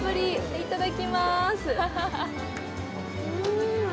いただきまーす。